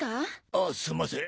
あすんません。